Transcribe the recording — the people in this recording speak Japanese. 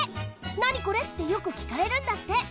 「なにこれ？」ってよくきかれるんだって。